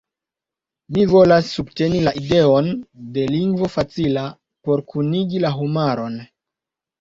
Mi volas subteni la ideon de lingvo facila por kunigi la homaron.